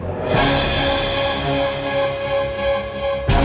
saya keluar dari rumah sakit ibu